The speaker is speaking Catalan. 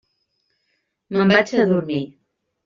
Me'n vaig a dormir.